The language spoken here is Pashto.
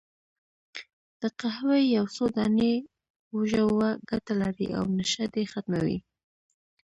د قهوې یو څو دانې وژووه، ګټه لري، او نشه دې ختمه وي.